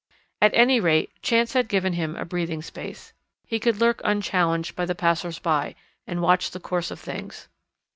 At any rate chance had given him a breathing space. He could lurk unchallenged by the passers by, and watch the course of things.